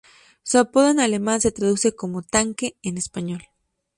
Su apodo en alemán se traduce como "tanque" en español.